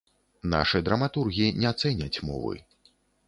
Нашы драматургі не цэняць мовы.